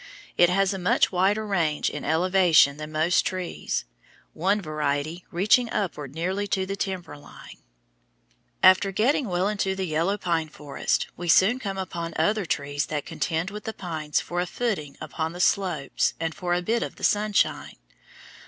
It has a much wider range in elevation than most trees, one variety reaching upward nearly to the timber line. [Illustration: FIG. 124. A YELLOW PINE FOREST] After getting well into the yellow pine forest, we soon come upon other trees that contend with the pines for a footing upon the slopes and for a bit of the sunshine.